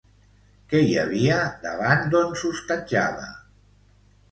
Què hi havia davant d'on s'hostatjava?